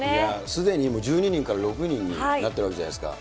すでに１２人から６人になってるわけじゃないですか。